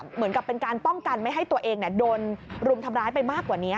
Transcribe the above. เหมือนกับเป็นการป้องกันไม่ให้ตัวเองโดนรุมทำร้ายไปมากกว่านี้